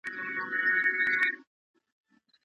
موږ د اقتصادي بحران په اړه اندېښمن یو.